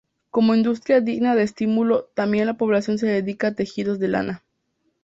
Como industria digna de estímulo tambien la poblacion se dedica a tejidos de lana.